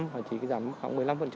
hoặc chỉ giảm khoảng một mươi năm